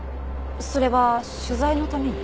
それは取材のために？